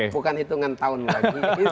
bukan hitungan tahun lagi